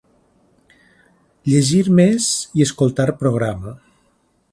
Llegir més i escoltar programa….